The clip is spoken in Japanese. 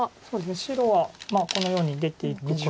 白はこのように出ていくことが。